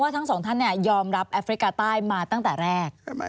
ทั้งสองท่านยอมรับแอฟริกาใต้มาตั้งแต่แรก